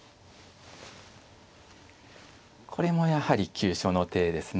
これもやはり急所の手ですね。